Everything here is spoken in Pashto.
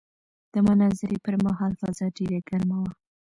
د مناظرې پر مهال فضا ډېره ګرمه وه.